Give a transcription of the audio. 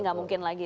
tidak mungkin lagi